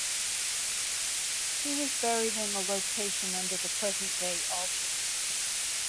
He was buried in a location under the present-day altar.